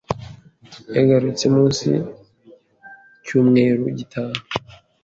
Yagarutse umunsi cyumweru gitaha